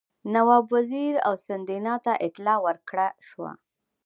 نواب وزیر او سیندهیا ته اطلاع ورکړه شوه.